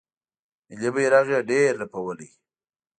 ملي بیرغ یې ډیر رپولی